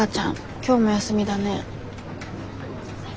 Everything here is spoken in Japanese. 今日も休みだね。